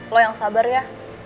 lo yang sabar ya